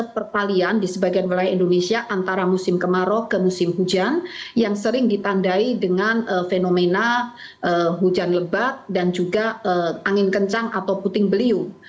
perpalian di sebagian wilayah indonesia antara musim kemarau ke musim hujan yang sering ditandai dengan fenomena hujan lebat dan juga angin kencang atau puting beliung